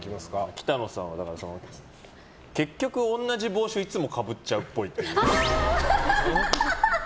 北乃さんは結局同じ帽子をいつもかぶっちゃうっぽい。